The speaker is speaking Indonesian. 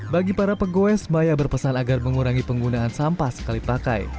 bagi para pegoes maya berpesan agar mengurangi penggunaan sampah sekali pakai